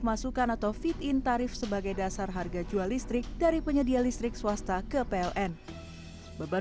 masukan atau fit in tarif sebagai dasar harga jual listrik dari penyedia listrik swasta ke pln beban